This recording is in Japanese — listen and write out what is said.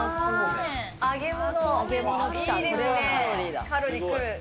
揚げ物。